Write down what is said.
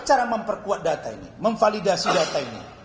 cara memperkuat data ini memvalidasi data ini